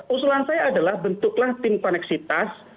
usulan saya adalah bentuklah tim koneksitas